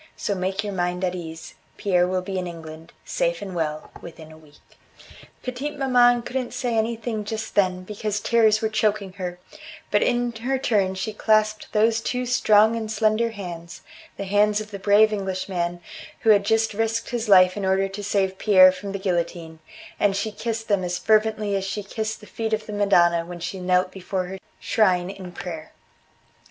So make your mind at ease, Pierre will be in England, safe and well, within a week." Petite maman couldn't say anything just then because tears were choking her, but in her turn she clasped those two strong and slender hands the hands of the brave Englishman who had just risked his life in order to save Pierre from the guillotine and she kissed them as fervently as she kissed the feet of the Madonna when she knelt before her shrine in prayer.